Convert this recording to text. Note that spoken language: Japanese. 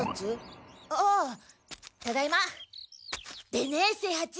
でね清八！